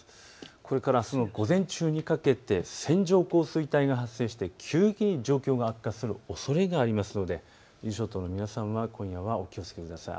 これからあすの午前中にかけて線状降水帯が発生して急激に状況が悪化するおそれがありますのでお気をつけください。